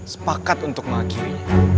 sepakat untuk mengakhiri